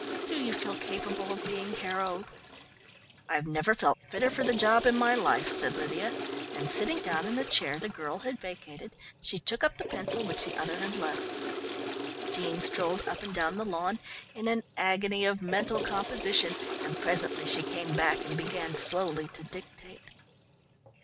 Do you feel capable of being harrowed?" "I never felt fitter for the job in my life," said Lydia, and sitting down in the chair the girl had vacated, she took up the pencil which the other had left. Jean strolled up and down the lawn in an agony of mental composition and presently she came back and began slowly to dictate.